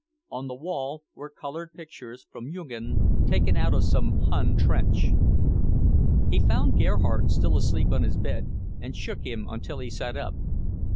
On the wall were coloured pictures from Jugend, taken out of some Hun trench. He found Gerhardt still asleep on his bed, and shook him until he sat up.